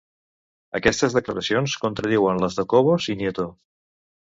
Aquestes declaracions contradiuen les de Cobos i Nieto.